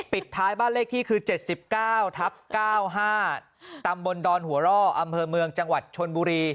ปิดท้ายบ้านเลขที่คือ๗๙ทับ๙๕ตำบลดอนหัวร่ออำเภอเมืองจังหวัดชนบุรี